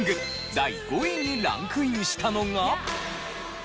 第５位にランクインしたのが。